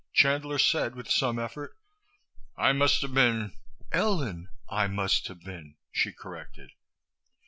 Chandler said, with some effort, "I must have been " "Ellen, I must have been," she corrected.